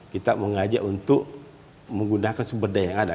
kita mengajak untuk menggunakan sumber daya yang ada